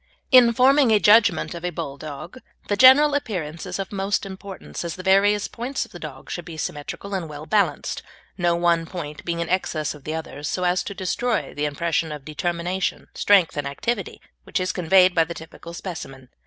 In forming a judgment of a Bulldog the general appearance is of most importance, as the various points of the dog should be symmetrical and well balanced, no one point being in excess of the others so as to destroy the impression of determination, strength, and activity which is conveyed by the typical specimen.